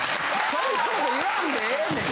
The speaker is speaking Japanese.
そんなこと言わんでええねん。